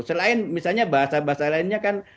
selain misalnya bahasa bahasa lainnya kan